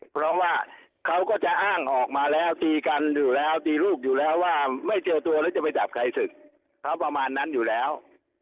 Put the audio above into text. เพราะว่าเขาก็จะอ้างออกมาแล้วตีกันอยู่แล้วตีลูกอยู่แล้วว่าไม่เจอตัวแล้วจะไปจับใครศึกเขาประมาณนั้นอยู่แล้ว